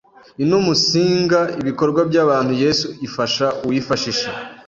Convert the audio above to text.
inumunsinga ibikorwa by’abantu Yesu ifasha uwifashishe